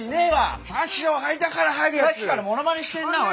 さっきからモノマネしてんなおい。